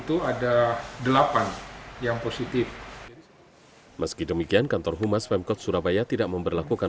gitu ada delapan yang positif meski demikian kantor humas pemkot surabaya tidak memberlakukan